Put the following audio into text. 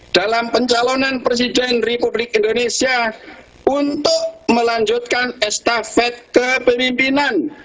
dalam pencalonan presiden republik indonesia untuk melanjutkan estafet kepemimpinan